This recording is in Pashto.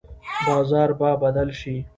بازار به بدل شي.